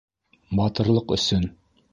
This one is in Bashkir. - Батырлыҡ өсөн.